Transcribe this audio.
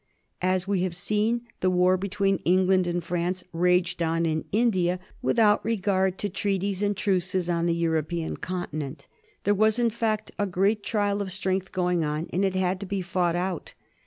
As we have seen, the war between England and France raged on in India without regard to treaties and truces on the European continent. There was, in fact, a great trial of strength going on, and it had to be fought out.